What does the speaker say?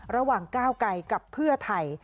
ระหว่างก้าวไกลกับเพื่อไทย